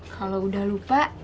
kalau udah lupa